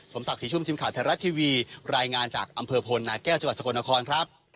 สมสักสีชุมทีมข่าวไทยรัฐทีวีรายงานจากอำเภอโผลนาแก้วจักรสะกดนครครับ